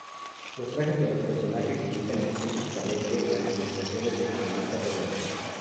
Los trajes de los personajes imitan explícitamente las ilustraciones del cronista peruano.